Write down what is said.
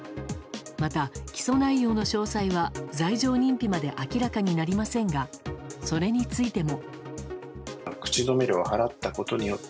また、起訴内容の詳細は罪状認否まで明らかになりませんがそれについても。